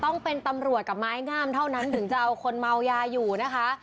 ต้องเป็นตำรวจกับไม้งามเท่านั้นถึงจะเอาคนเมายาอยู่นะคะ